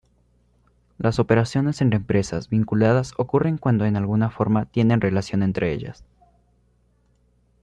Las operaciones entre empresas vinculadas ocurren cuando en alguna forma tienen relación entre ellas.